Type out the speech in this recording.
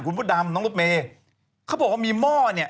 คุณพุทธดำน้องรถเมเขาบอกว่ามีหม้อใส่เนื้อ